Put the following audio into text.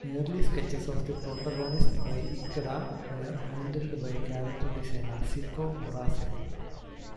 Early sketches of the protagonists by Ikeda were handled by character designer Shuko Murase.